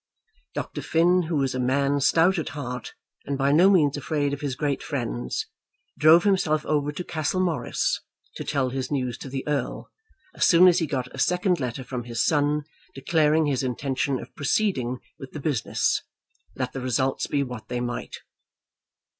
Dr. Finn, who was a man stout at heart, and by no means afraid of his great friends, drove himself over to Castlemorris to tell his news to the Earl, as soon as he got a second letter from his son declaring his intention of proceeding with the business, let the results be what they might.